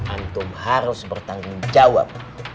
antum harus bertanggung jawab